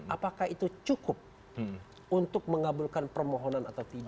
apakah itu cukup untuk mengabulkan permohonan atau tidak